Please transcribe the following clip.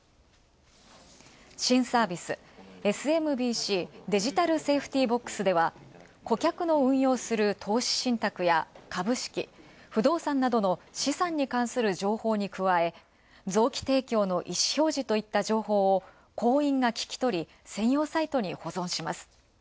新サービス、ＳＭＢＣデジタルセーフティボックスでは顧客の運用する投資信託や株式、不動産などの資産に関する情報に加え、臓器提供の意思表示情報を行員が聞き取り、保存します。